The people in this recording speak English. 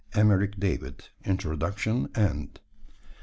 Emeric David, Introduction, end).